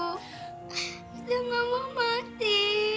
kita nggak mau mati